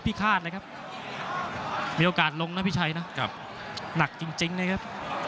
คาดเลยครับมีโอกาสลงนะพี่ชัยนะครับหนักจริงจริงนะครับ